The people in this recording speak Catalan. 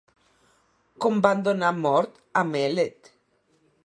Com van donar mort a Mèlet?